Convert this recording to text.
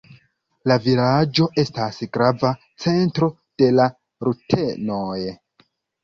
La vilaĝo estas grava centro de la rutenoj.